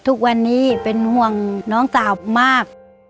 ทุกวันนี้เป็นห่วงน้องสาวมาก